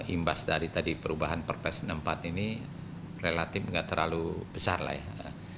imbas dari tadi perubahan perpres enam puluh empat ini relatif nggak terlalu besar lah ya